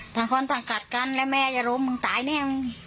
ทั้งคนต้องกัดกันแล้วแม่จะร้มมันตายเนี่ย